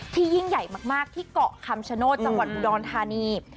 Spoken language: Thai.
ยิ่งใหญ่มากที่เกาะคำชโนธจังหวัดอุดรธานี